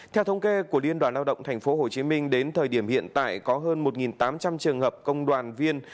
theo thống kê của liên đoàn lao động tp hcm đến thời điểm hiện tại có hơn một tám trăm linh trường hợp công đoàn viên